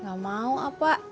nggak mau apa